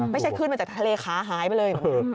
ขึ้นมาจากทะเลขาหายไปเลย